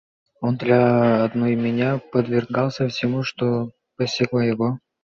Он для одной меня подвергался всему, что постигло его.